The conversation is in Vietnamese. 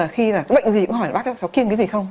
khi là bệnh gì cũng hỏi là bác cháu kiêng cái gì không